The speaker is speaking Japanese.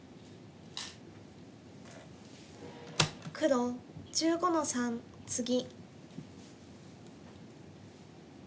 黒１５の三ツギ。